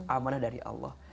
amanah dari allah